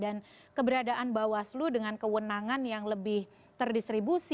dan keberadaan bawas selu dengan kewenangan yang lebih terdistribusi